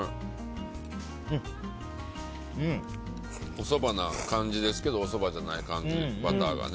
おそばな感じですけどおそばじゃない感じ、バターがね。